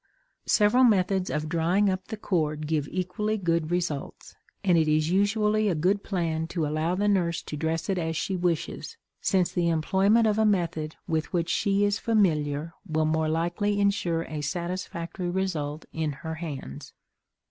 Several methods of drying up the cord give equally good results, and it is usually a good plan to allow the nurse to dress it as she wishes, since the employment of a method with which she is familiar will more likely insure a satisfactory result in her hands.